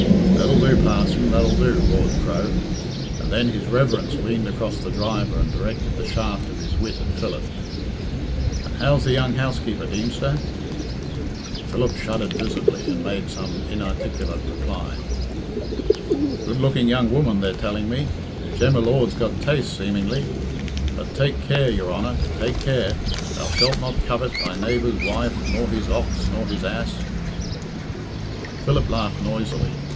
"That'll do, parson, that'll do!" roared Crow. And then his reverence leaned across the driver and directed the shaft of his wit at Philip. "And how's the young housekeeper, Deemster?" Philip shuddered visibly, and made some inarticulate reply "Good looking young woman, they're telling me. Jem y Lord's got taste, seemingly. But take care, your Honour; take care! 'Thou shalt not covet thy neighbour's wife, nor his ox, nor his ass' " Philip laughed noisily.